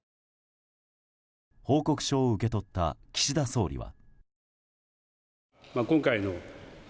報告書を受け取った岸田総理は。